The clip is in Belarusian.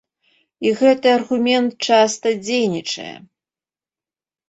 І гэты аргумент часта дзейнічае.